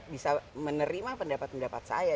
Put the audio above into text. bisa menerima pendapat pendapat saya